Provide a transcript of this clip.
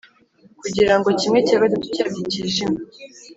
kugira ngo kimwe cya gatatu cyabyo cyijime